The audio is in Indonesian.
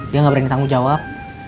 dia nggak berani tanggung jawab